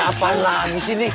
ada apaanlah disini